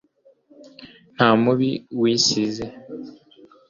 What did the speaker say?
nta mubi wisize